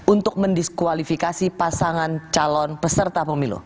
untuk mendiskualifikasi pasangan calon peserta pemilu